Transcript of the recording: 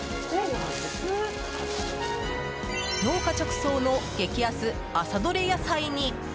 農家直送の激安朝どれ野菜に。